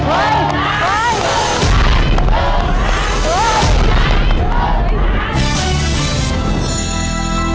จะทำเวลาไหมครับเนี่ย